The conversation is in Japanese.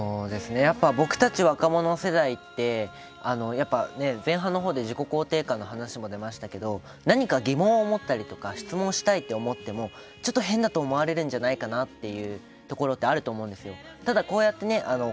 僕たち若者世代って前半のほうで自己肯定感の話も出ましたけど何か疑問を持ったり質問をしたいと思ってもちょっと変だと思われるんじゃないかなっていうのがあると思うんですよ。